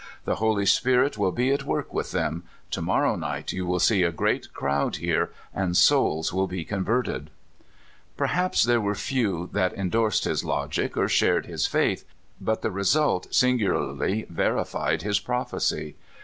The Holy Spirit will be at work with them. To morrow night you will see a great crowd here, and souls will be converted." Perhaps there were few that indorsed his logic, or shared his faith, but the result singularly veri fied his prophecy.